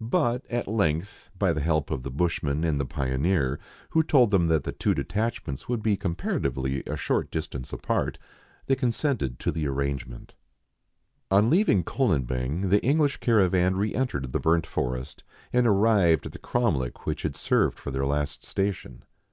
But at length, by the help of the bushman and the pioneer, who told them that the two detachments would be comparatively a short distance apart, they consented to the arrange ment. On leaving Kolobeng the English caravan re entered the burnt forest and arrived at the cromlech which had served for their last station.